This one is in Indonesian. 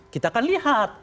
kita akan lihat